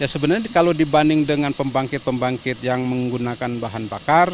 sebenarnya kalau dibanding dengan pembangkit pembangkit yang menggunakan bahan bakar